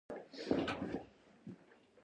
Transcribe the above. پروګرامینګ ژبې لکه جاوا او پایتون ډېر کارېدونکي دي.